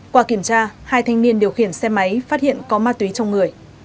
qua kiểm tra hai thanh niên điều khiển xe máy phát hiện có ma túy trong người